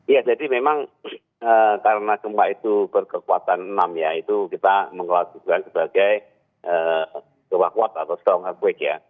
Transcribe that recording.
iya jadi memang karena gempa itu berkekuatan enam ya itu kita mengatakan sebagai kekuatan kuat atau strong earthquake ya